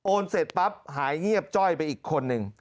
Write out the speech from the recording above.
เสร็จปั๊บหายเงียบจ้อยไปอีกคนนึง